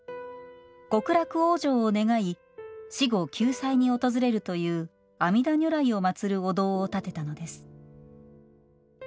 極楽往生を願い死後、救済に訪れるという阿弥陀如来を祭るお堂を建てたのです。